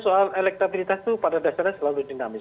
soal elektabilitas itu pada dasarnya selalu dinamis